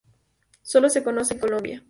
Solo se conoce de Colombia.